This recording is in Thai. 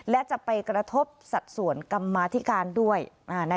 และจะไปกระทบสัดส่วนกรรมาธิการด้วย